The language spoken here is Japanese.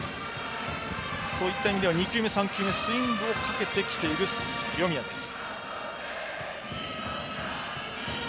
そういった意味では２球目、３球目とスイングをかけてきた清宮です。